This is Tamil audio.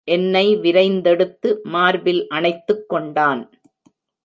என்னை விரைந்தெடுத்து மார்பில் அணைத்துக் கொண்டான்.